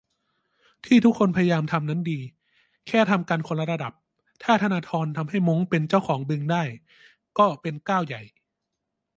ที่ทุกคนพยายามทำนั้นดี แค่ทำกันคนละระดับ ถ้าธนาธรทำให้ม้งเป็นเจ้าของบึงได้ ก็เป็นก้าวใหญ่